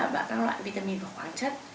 và các loại vitamin và khoáng chất